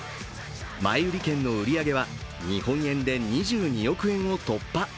前売り券の売り上げは日本円で２２億円を突破。